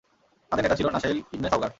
তাদের নেতা ছিলেন নাশাঈল ইবন সাওগার।